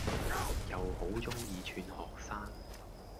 又好鍾意串學生⠀